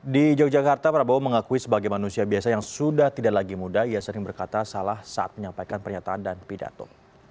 di yogyakarta prabowo mengakui sebagai manusia biasa yang sudah tidak lagi muda ia sering berkata salah saat menyampaikan pernyataan dan pidato